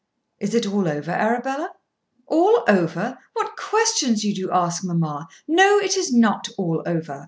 "Is it all over, Arabella?" "All over! What questions you do ask, mamma! No. It is not all over.